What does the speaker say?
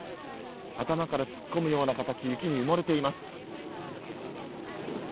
頭から突っ込むような形で雪に埋もれています。